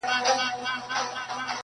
پکښي ګوري چي فالونه په تندي د سباوون کي،